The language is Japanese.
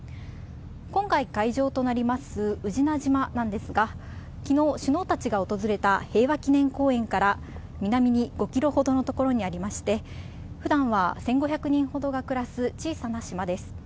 今回、会場となります、宇品島なんですが、きのう、首脳たちが訪れた平和記念公園から南に５キロほどの所にありまして、ふだんは１５００人ほどが暮らす小さな島です。